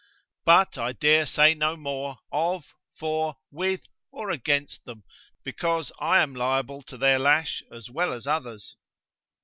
But I dare say no more of, for, with, or against them, because I am liable to their lash as well as others.